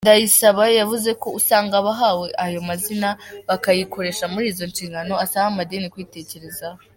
Ndayisaba yavuze ko usanga abahawe ayo mazina bakiyakoresha muri izo nshingano, asaba amadini kubitekerezaho.